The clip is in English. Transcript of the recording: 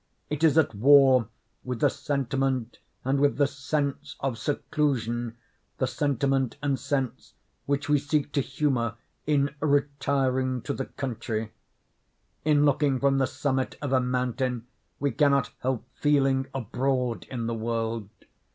It is at war with the sentiment and with the sense of seclusion—the sentiment and sense which we seek to humor in 'retiring to the country.' In looking from the summit of a mountain we cannot help feeling abroad in the world.